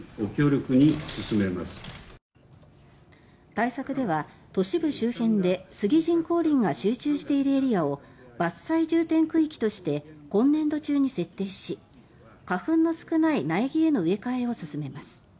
対策では、都市部周辺で杉人工林が集中しているエリアを伐採重点区域として今年度中に設定し花粉の少ない苗木への植え替えを進めます。